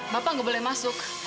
bapak nggak boleh masuk